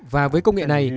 và với công nghệ này